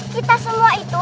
kita semua itu